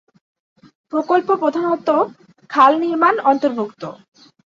প্রকল্প প্রধানত খাল নির্মাণ অন্তর্ভুক্ত।